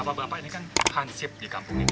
bapak bapak ini kan hansip di kampung ini